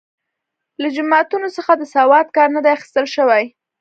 له جوماتونو څخه د سواد کار نه دی اخیستل شوی.